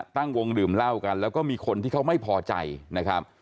ตั้งวงดื่มเหล้ากันแล้วก็มีคนที่เขาไม่พอใจนะครับ